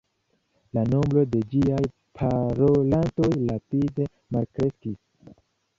La nombro de ĝiaj parolantoj rapide malkreskis.